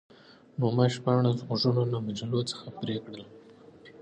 نو ما شپاړس غوږونه له مجلو څخه پرې کړل